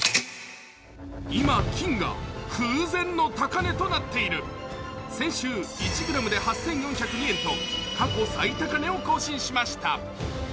今、金が空前の高値となっている先週１ｇで８４０２円と過去最高値を更新しました。